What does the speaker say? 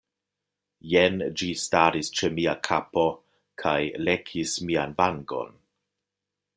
Jen ĝi staris ĉe mia kapo kaj lekis mian vangon.